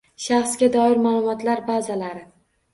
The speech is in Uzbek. Shaxsga doir ma’lumotlar bazalari